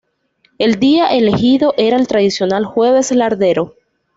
El día elegido era el tradicional Jueves Lardero.